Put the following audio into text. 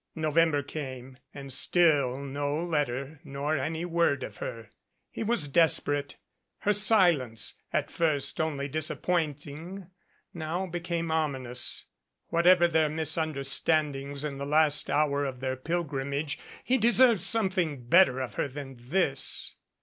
November came, and still no letter nor any word of her. He was desperate. Her silence, at first only disap pointing, now became ominous. Whatever their mis understandings in the last hour of their pilgrimage, he deserved something better of her than this.